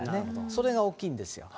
それが大きいんですよ。